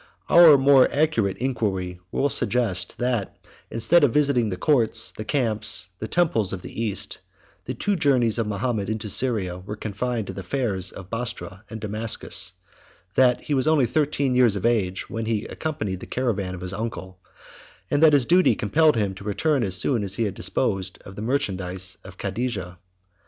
Our more accurate inquiry will suggest, that, instead of visiting the courts, the camps, the temples, of the East, the two journeys of Mahomet into Syria were confined to the fairs of Bostra and Damascus; that he was only thirteen years of age when he accompanied the caravan of his uncle; and that his duty compelled him to return as soon as he had disposed of the merchandise of Cadijah.